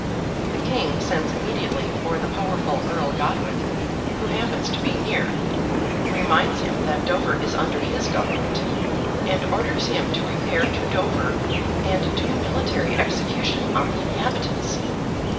The King sends immediately for the powerful Earl Godwin, who happens to be near; reminds him that Dover is under his government; and orders him to repair to Dover and do military execution on the inhabitants.